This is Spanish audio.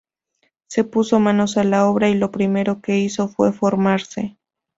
Se puso manos a la obra y lo primero que hizo fue formarse.